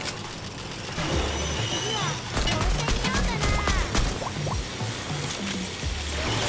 つぎはこうしてみようかな？